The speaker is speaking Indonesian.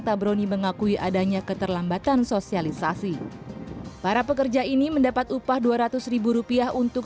tabroni mengakui adanya keterlambatan sosialisasi para pekerja ini mendapat upah dua ratus rupiah untuk